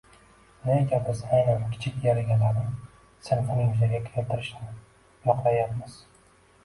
Nega biz aynan kichik yer egalari sinfini yuzaga keltirishni yoqlayapmiz?